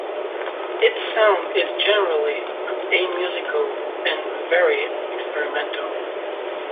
Its sound is generally amusical, and very experimental.